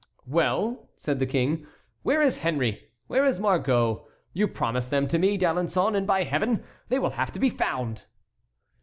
"Well," said the King, "where is Henry? Where is Margot? You promised them to me, D'Alençon, and, by Heaven, they will have to be found!"